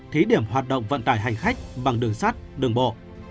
thí điểm hoạt động vận tải hành khách bằng đường sắt đường bộ